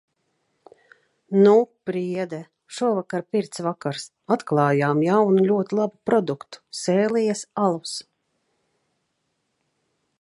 Nu... priede. Šovakar pirts vakars. Atklājām jaunu, ļoti labu produktu – "Sēlijas alus".